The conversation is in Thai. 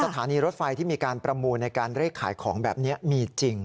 สถานีรถไฟที่มีการประมูลในการเลขขายของแบบนี้มีจริง